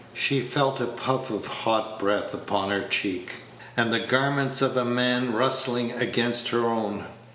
She felt a puff of hot breath upon her cheek, and the garments of a man rustling against her own.